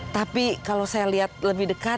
tapi kalau saya lihat lebih dekat